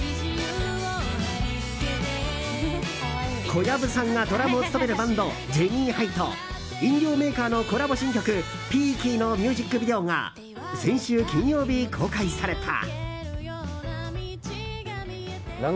小籔さんがドラムを務めるバンド、ジェニーハイと飲料メーカーのコラボ新曲「ＰＥＡＫＹ」のミュージックビデオが先週金曜日、公開された。